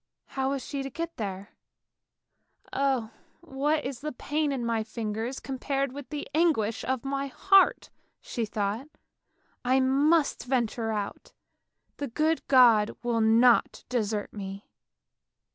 How was she to get there? " Oh, what is the pain of my fingers compared with the anguish of my heart," she thought. " I must venture out, the good God will not desert me!